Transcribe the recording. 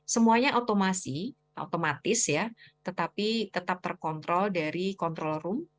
semuanya otomatis tetapi tetap terkontrol dari kontrol room